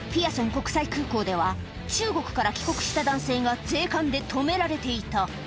国際空港では、中国から帰国した男性が税関で止められていた。